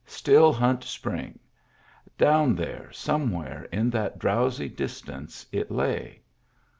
Still Hunt Spring; down there, somewhere in that drowsy distance, it lay.